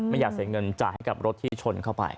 ไม่อยากเสียเงินจ่ายให้กับรถที่ชนเข้าไป